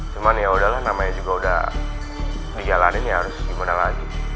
cuman yaudah lah namanya juga udah dijalani ya harus gimana lagi